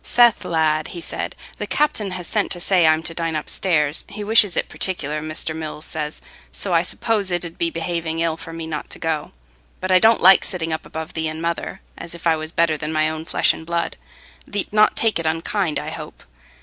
"Seth, lad," he said, "the captain has sent to say I'm to dine upstairs—he wishes it particular, Mr. Mills says, so I suppose it 'ud be behaving ill for me not to go. But I don't like sitting up above thee and mother, as if I was better than my own flesh and blood. Thee't not take it unkind, I hope?"